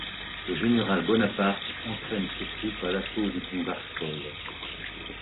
Le général Bonaparte entraîne ses troupes à l’assaut du pont d’Arcole.